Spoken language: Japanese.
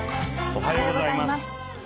おはようございます。